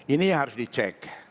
ini harus dicek